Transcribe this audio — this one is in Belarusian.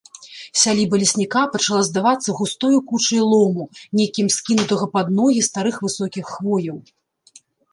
Сяліба лесніка пачала здавацца густою кучай лому, некім скінутага пад ногі старых высокіх хвояў.